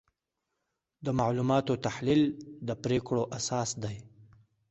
د معلوماتو تحلیل د پریکړو اساس دی.